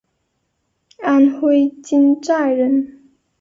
安徽金寨人。